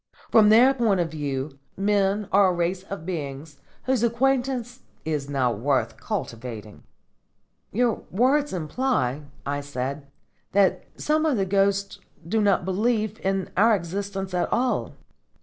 From their point of view, men are a race of beings whose acquaintance is not worth cultivating." "Your words imply," I said, "that some of the ghosts do not believe in our existence at all."